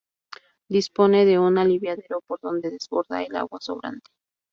Dispone de un aliviadero por donde desborda el agua sobrante.